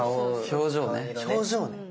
表情ね。